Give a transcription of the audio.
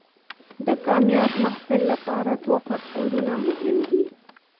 د کامیاب محصل لپاره دوه فکتورونه مهم دي.